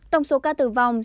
tổng số ca tử vong